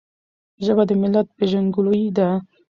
ژبه د ملت پیژندګلوي ده.